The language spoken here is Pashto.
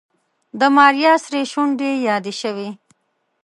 د ماريا سرې شونډې يې يادې شوې.